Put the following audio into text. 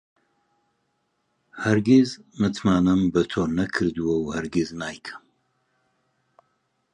هەرگیز متمانەم بە تۆ نەکردووە و هەرگیز نایکەم.